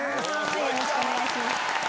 よろしくお願いします。